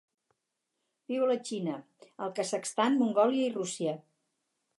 Viu a la Xina, el Kazakhstan, Mongòlia i Rússia.